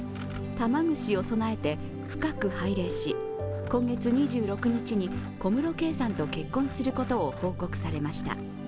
玉串を供えて深く拝礼し今月２６日に小室圭さんと結婚することを報告されました。